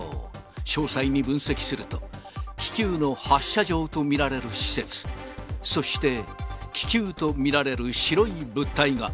詳細に分析すると、気球の発射場と見られる施設、そして気球と見られる白い物体が。